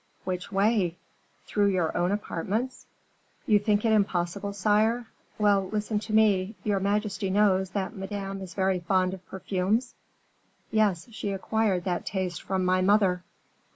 "Which way? through your own apartments?" "You think it impossible, sire? Well, listen to me. Your majesty knows that Madame is very fond of perfumes?" "Yes, she acquired that taste from my mother."